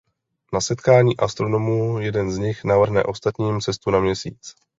Na setkání astronomů jeden z nich navrhne ostatním cestu na Měsíc.